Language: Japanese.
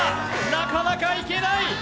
なかなかいけない。